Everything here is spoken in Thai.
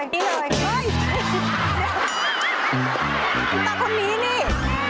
แต่คนนี้นี่